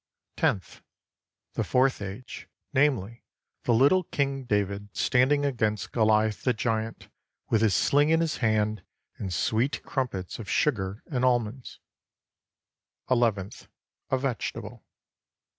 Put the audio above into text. Tenth The fourth age, namely, the little king David standing against Goliath, the giant, with his sling in his hand and sweet crumpets of sugar and almonds. Eleventh A vegetable.